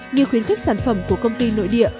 như khuyến khích sản phẩm của công ty nội địa